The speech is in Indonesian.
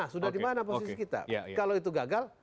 sudah dimana posisi kita kalau itu gagal